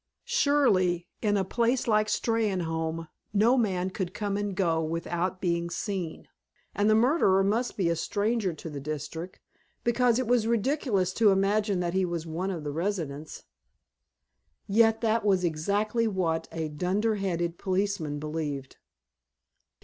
Surely, in a place like Steynholme no man could come and go without being seen, and the murderer must be a stranger to the district, because it was ridiculous to imagine that he was one of the residents. Yet that was exactly what a dunderheaded policeman believed.